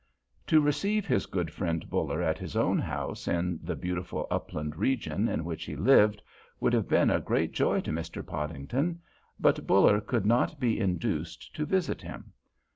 To receive his good friend Buller at his own house in the beautiful upland region in which he lived would have been a great joy to Mr. Podington; but Buller could not be induced to visit him.